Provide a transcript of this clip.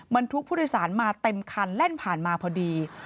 บรรทุกผู้โดยสารมาเต็มคันแล่นผ่านมาพอดี